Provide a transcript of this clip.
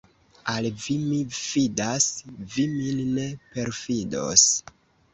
Al vi mi fidas, vi min ne perfidos!